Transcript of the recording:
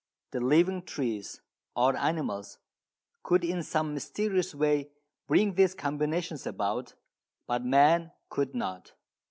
The living trees, or animals, could in some mysterious way bring these combinations about, but man could not.